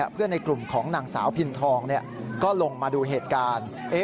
ในกลุ่มของนางสาวพินทองก็ลงมาดูเหตุการณ์